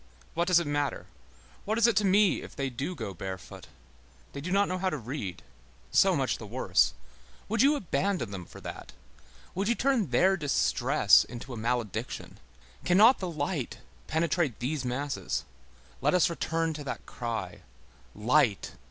What does it matter? What is it to me if they do go barefoot! They do not know how to read; so much the worse. Would you abandon them for that? Would you turn their distress into a malediction? Cannot the light penetrate these masses? Let us return to that cry: Light!